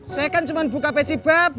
saya kan cuma buka peci bab